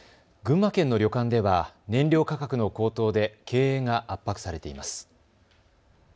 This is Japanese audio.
群馬県の旅館では燃料価格の高騰で経営が圧迫されています。